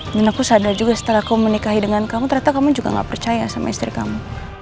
dan aku sadar juga setelah aku menikahi dengan kamu ternyata kamu juga gak percaya sama istri kamu